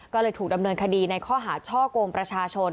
ก็เลยถูกดำเนินคดีในข้อหาช่อกงประชาชน